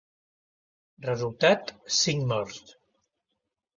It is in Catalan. Resultat: cinc morts.